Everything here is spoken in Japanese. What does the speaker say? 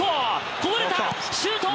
こぼれた、シュート！